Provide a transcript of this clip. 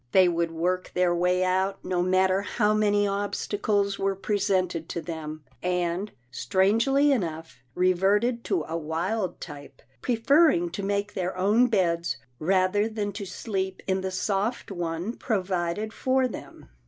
They would work their way out, no matter how many obstacles were pre sented to them, and, strangely enough, reverted to a wild type, preferring to make their own beds, rather than to sleep in the soft one provided for 232 'TILDA JANE'S ORPHANS them.